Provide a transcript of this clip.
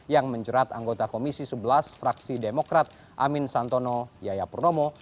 yang menjerat anggota komisi sebelas fraksi demokrat amin santono yaya purnomo